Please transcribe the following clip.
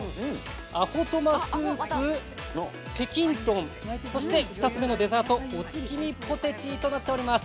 「アホトマスープ」「北京トン」そして２つ目のデザート「お月見ポテチー」となっております。